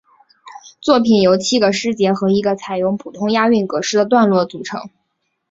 作品由七个诗节和一个采用普通押韵格式的段落组成。